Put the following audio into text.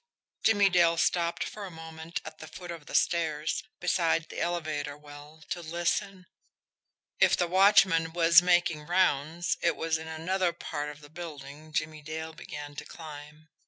Jimmie Dale stopped for a moment at the foot of the stairs, beside the elevator well, to listen if the watchman was making rounds, it was in another part of the building Jimmie Dale began to climb.